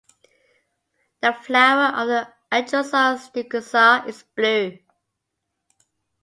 The flower of the "Anchusa strigosa" is blue.